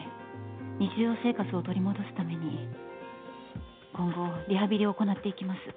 日常生活を取り戻すために今後リハビリを行なっていきます。